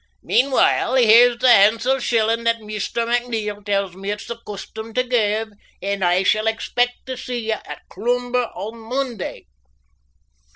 Meanwhile here's the han'sel shillin' that Maister McNeil tells me it's the custom tae give, and I shall expec' tae see ye at Cloomber on Monday."